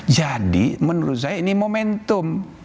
jadi menurut saya ini momentum